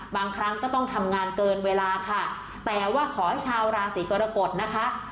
บางครั้งก็ต้องทำงานเกินเวลาค่ะแต่ว่าขอให้ชาวราศีกรกฎนะคะ